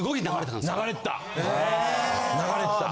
流れてた。